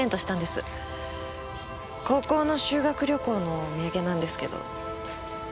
高校の修学旅行のお土産なんですけど。